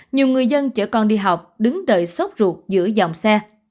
nhiều người dân chở con đi học đứng đợi sốc ruột giữa dòng xe